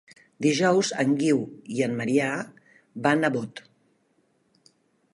Dijous en Guiu i en Maria van a Bot.